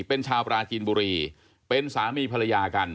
เป็นชาวปราจีนบุรีเป็นสามีภรรยากัน